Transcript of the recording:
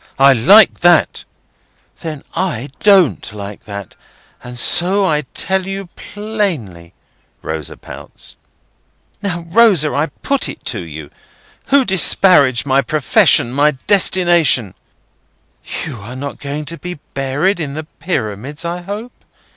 I like that!" "Then I don't like that, and so I tell you plainly," Rosa pouts. "Now, Rosa, I put it to you. Who disparaged my profession, my destination—" "You are not going to be buried in the Pyramids, I hope?"